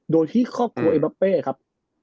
โดยที่ครอบครัวเอบาเป้ครับ